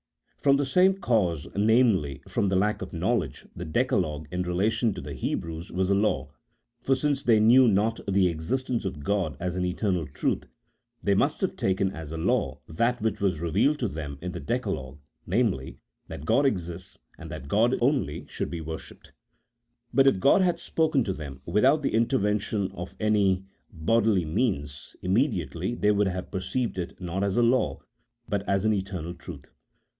From the same cause, namely, from lack of knowledge, the Decalogue in relation to the Hebrews was a law, for since they knew not the existence of God as an eternal truth, they must have taken as a law that which was revealed to them in the Decalogue, namely, that God exists, and that God only should be worshipped. But if God had spoken to them without the intervention of any bodily means, immediately they would have perceived it not as a law, but as an eternal truth.